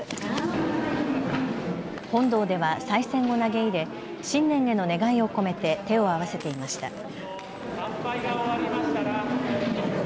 本堂では、さい銭を投げ入れ新年への願いを込めて手を合わせていました。